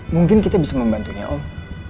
mungkin kita bisa membantunya oh